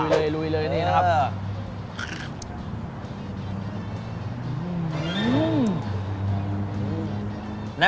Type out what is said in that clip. เลยลุยเลยนี่นะครับ